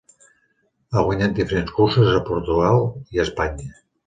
Ha guanyat diferents curses a Portugal i a Espanya.